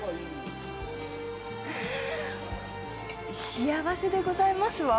幸せでございますわ。